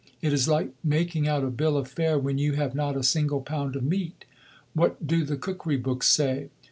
It is like making out a bill of fare when you have not a single pound of meat. What do the cookery books say?